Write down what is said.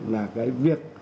là cái việc